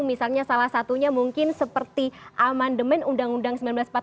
misalnya salah satunya mungkin seperti amendement undang undang seribu sembilan ratus empat puluh lima